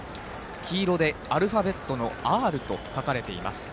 黄色でアルファベットの「Ｒ」と書かれています。